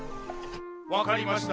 わかりました。